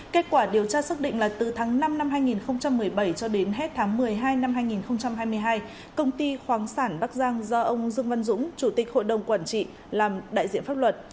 kết quả điều tra xác định là từ tháng năm năm hai nghìn một mươi bảy cho đến hết tháng một mươi hai năm hai nghìn hai mươi hai công ty khoáng sản bắc giang do ông dương văn dũng chủ tịch hội đồng quản trị làm đại diện pháp luật